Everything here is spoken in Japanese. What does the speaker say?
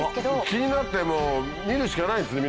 気になってもう見るしかないですね